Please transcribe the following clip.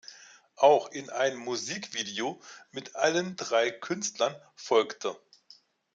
Auch in ein Musikvideo mit allen drei Künstlern folgte.